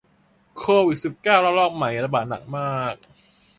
โควิดสิบเก้าระลอกใหม่ระบาดหนักมาก